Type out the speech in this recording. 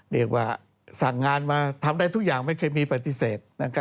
เรียกว่าสั่งงานมาทำได้ทุกอย่างไม่เคยมีปฏิเสธ